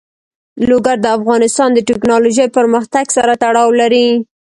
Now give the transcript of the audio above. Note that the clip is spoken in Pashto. لوگر د افغانستان د تکنالوژۍ پرمختګ سره تړاو لري.